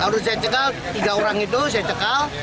harus saya cekal tiga orang itu saya cekal